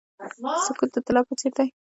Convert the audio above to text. سکوت د طلا په څیر دی.